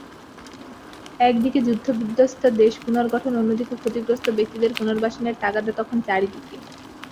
একদিকে যুদ্ধবিধ্বস্ত দেশ পুনর্গঠন, অন্যদিকে ক্ষতিগ্রস্ত ব্যক্তিদের পুনর্বাসনের তাগাদা তখন চারদিকে।